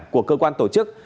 của cơ quan tổ chức